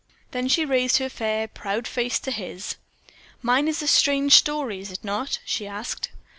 Then she raised her fair, proud face to his. "Mine is a strange story, is it not?" she asked.